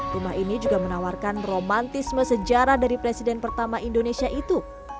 rumah ini juga menawarkan romantisme sejarah dari presiden pertama indonesia itu